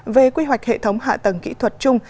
về quy hoạch hệ thống hạ tầng kỹ thuật chung